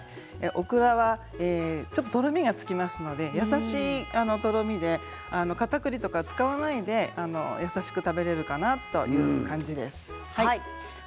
オクラはちょっととろみがつきますので優しいとろみでかたくりとか使わないで優しく食べられるかなっていう感じです。